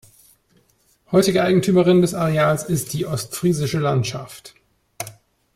Heutige Eigentümerin des Areals ist die Ostfriesische Landschaft.